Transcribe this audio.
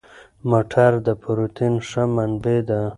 مټر د پروتین ښه منبع ده.